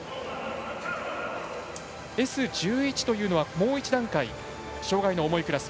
Ｓ１１というのは、もう一段階障がいの重いクラス。